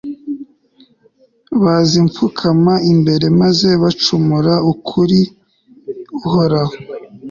bazipfukama imbere maze bacumura kuri uhoraho